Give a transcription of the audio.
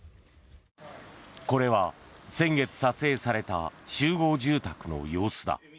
これは、先月撮影された集合住宅の様子だ。